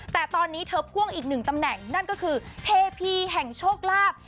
แต่ตอนนี้เธอพ่วงอีกหนึ่งตำแหน่งนั่นก็คือเทพีแห่งโชคลาภ